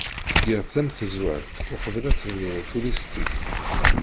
Tgiḍ-tt am tezwart uqbel ad tebduḍ tullist-ik.